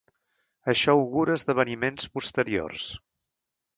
Això augura esdeveniments posteriors.